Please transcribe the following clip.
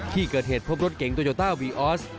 ที่เกิดเหตุพบรถเก๋งโตโยต้าวีออส